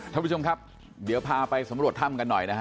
ท่านผู้ชมครับเดี๋ยวพาไปสำรวจถ้ำกันหน่อยนะฮะ